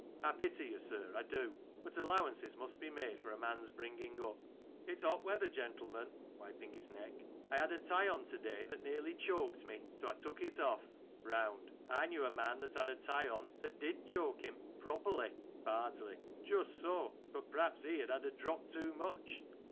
I pity you, sir, I do ; but allowances must be made for a man's bringing up. ... It's hot weather, gentlemen {wiping his neck), I had a tie on to day that nearly choked me, so I took it off. Round : I knew a man that had a tie on that did choke him properly, Bardsley : Just so, but perhaps he had had a drop too much.